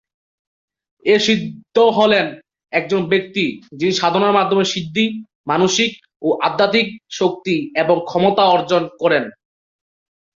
এই সিদ্ধ হলেন একজন ব্যক্তি, যিনি সাধনার মাধ্যমে সিদ্ধি, মানসিক ও আধ্যাত্মিক শক্তি এবং ক্ষমতা অর্জন করেন।